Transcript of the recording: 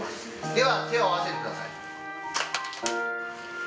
では手を合わせてください。